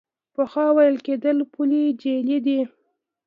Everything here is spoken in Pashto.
پخوا ویل کېدل پولې جعلي دي.